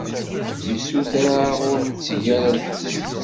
Yessuter-aɣ ur netteg ara lḥess.